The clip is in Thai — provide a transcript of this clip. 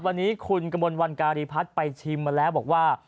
วันนี้คุณกระมวลวันการีพัฒน์ไปชิมมาแล้วบอกว่า